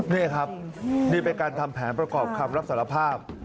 นี่ครับนี่เป็นการทำแผนประกอบคำรับสารภาพ